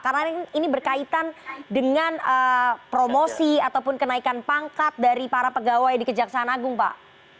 karena ini berkaitan dengan promosi ataupun kenaikan pangkat dari para pegawai di kejaksaan agung pak